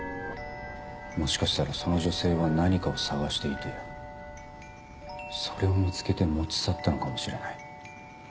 もしかしたらその女性は何かを探していてそれを見つけて持ち去ったのかもしれない。